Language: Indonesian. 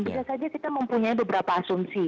bisa saja kita mempunyai beberapa asumsi